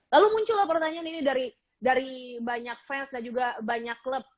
lalu muncullah pertanyaan ini dari banyak fans dan juga banyak klub